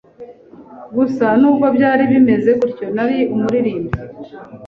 gusa nubwo byari bimeze gutyo, nari umuririmbyi,